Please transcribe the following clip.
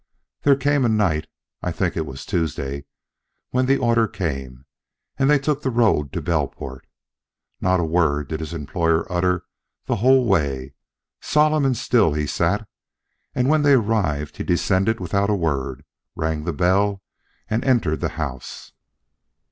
There came a night I think it was Tuesday when the order came, and they took the road to Belport. Not a word did his employer utter the whole way. Solemn and still he sat, and when they arrived he descended without a word, rang the bell and entered the house.